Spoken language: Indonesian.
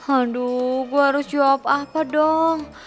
aduh gue harus jawab apa dong